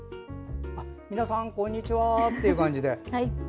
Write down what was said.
皆さん、こんにちは！という感じで。